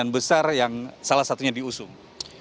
sembilan besar yang salah satunya diusung